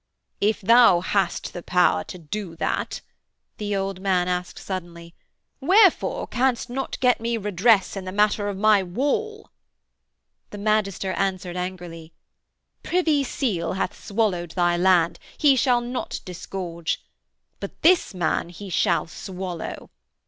'If thou hast the power to do that,' the old man asked suddenly, 'wherefore canst not get me redress in the matter of my wall?' The magister answered angrily: 'Privy Seal hath swallowed thy land: he shall not disgorge. But this man he shall swallow.